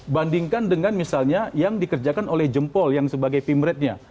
bandingkan dengan misalnya yang dikerjakan oleh jempol yang sebagai pimretnya